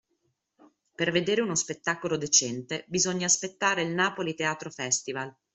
Per vedere uno spettacolo decente bisogna aspettare il Napoli Teatro Festival